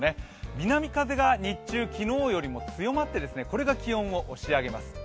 南風が日中、昨日よりも強まって、これが気温を押し上げます。